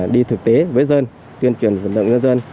đi thực tế với dân tuyên truyền vận động nhân dân